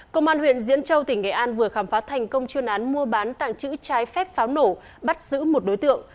công an huyện diễn châu tỉnh nghệ an vừa khám phá thành công chuyên án mua bán tặng chữ trái phép pháo nổ bắt giữ một đối tượng